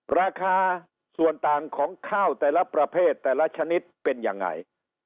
ราคาส่วนต่างของข้าวแต่ละประเภทแต่ละชนิดเป็นยังไง